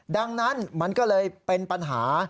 ดังนั้นมันก็เลยเป็นปัญหา